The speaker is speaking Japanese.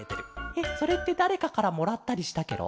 えっそれってだれかからもらったりしたケロ？